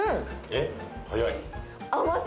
えっ早い。